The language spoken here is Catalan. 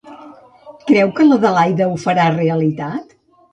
Creu que l'Adelaida ho farà realitat?